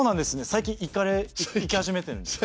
最近行かれ行き始めてるんですか？